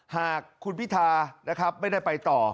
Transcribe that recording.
หากคุณพิทาไม่ได้ไปต่อ